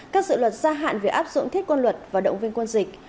các dự luật gia hạn về áp dụng thiết quân luật và động viên quân dịch